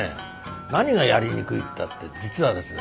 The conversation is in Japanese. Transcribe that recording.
何がやりにくいったって実はですね